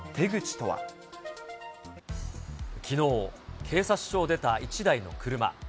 きのう、警察署を出た１台の車。